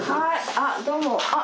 あどうも。